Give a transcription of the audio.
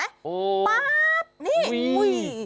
โอ้ป๊าปนี่อุ้ย